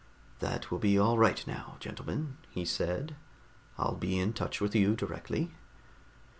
"That will be all right now, gentlemen," he said. "I'll be in touch with you directly."